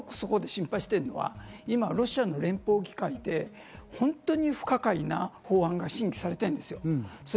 私がすごくそこで心配しているのは今、ロシアの連邦機関って本当に不可解な法案が審議されてるんですよ。